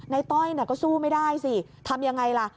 นายต้อยเนี่ยก็สู้ไม่ได้สิทำยังไงล่ะ